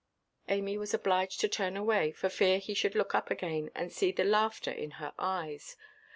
Amy was obliged to turn away, for fear he should look up again, and see the laughter in her eyes.